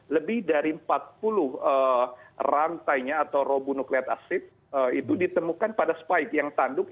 lebih dari empat puluh rantainya atau robunuklet asid itu ditemukan pada spike yang tanduk